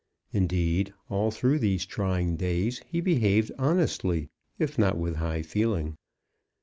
Indeed, all through these trying days he behaved honestly, if not with high feeling.